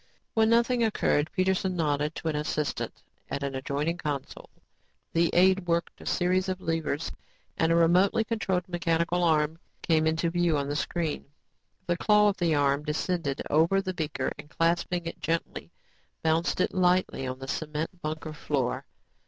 When nothing occurred, Peterson nodded to an assistant at an adjoining console. The aide worked a series of levers and a remotely controlled mechanical arm came into view on the screen. The claw of the arm descended over the beaker and clasping it gently, bounced it lightly on the cement bunker floor.